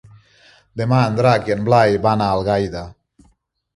Demà en Drac i en Blai van a Algaida.